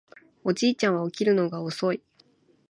おじいちゃんは起きるのが遅い